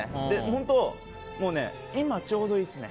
本当、今ちょうどいいですね。